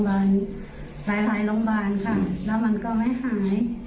หลายหลายโรงพยาบาลค่ะแล้วมันก็ไม่หาย